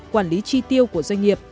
quản lý chi tiêu của doanh nghiệp